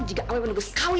jika kamu mau berkah